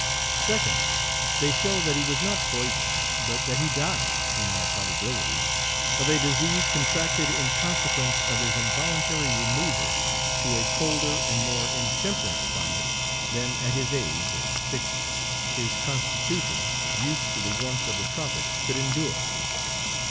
2d. They show that he was not poisoned, but that he died, in all probability, of a disease contracted in consequence of his involuntary removal to a colder and more intemperate climate than at his age, over sixty, his constitution, used to the warmth of the tropics, could endure.